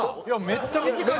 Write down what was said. めっちゃ短い。